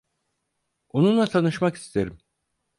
Onunla tanışmak isterim.